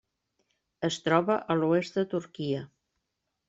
Es troba a l'oest de Turquia.